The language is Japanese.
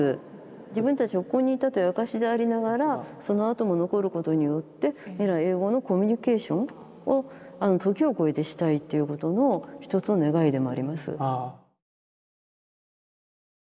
自分たちがここにいたという証しでありながらそのあとも残ることによって未来永劫のコミュニケーションを時を超えてしたいということの一つの願いでもあります。